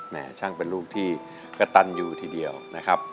ช่างเป็นรูปที่กระตันอยู่ทีเดียวนะครับ